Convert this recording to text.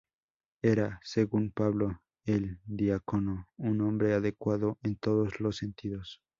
Era, según Pablo el Diácono, "un hombre adecuado en todos los sentidos.